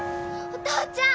お父ちゃん！